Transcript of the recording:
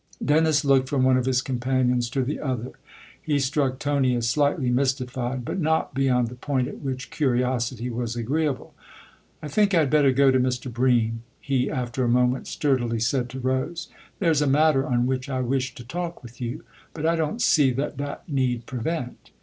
Dennis looked from one of his companions to the other; he struck Tony as slightly mystified, but not beyond the point at which curiosity was agreeable. " I think I had better go to Mr. Bream," he after a moment sturdily said to Rose. "There's a matter on which I wish to talk with you, but I don't see that that need prevent."